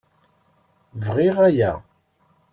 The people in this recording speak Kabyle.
Bɣiɣ aya.